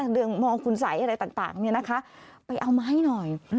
เรื่องมองคุณสัยอะไรต่างไปเอามาให้หน่อย